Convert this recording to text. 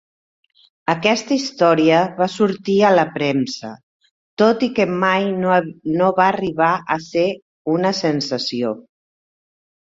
Aquesta història va sortir a la premsa, tot i que mai no va arribar a ser una sensació.